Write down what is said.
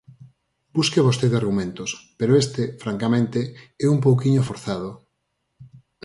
Busque vostede argumentos, pero este, francamente, é un pouquiño forzado.